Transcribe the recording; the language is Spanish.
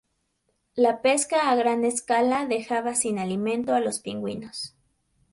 La pesca a gran escala dejaba sin alimento a los pingüinos.